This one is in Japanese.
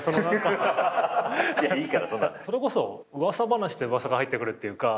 それこそ噂話で噂が入ってくるっていうか。